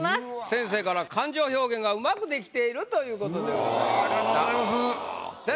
先生から「感情表現が上手くできている」ということでございました。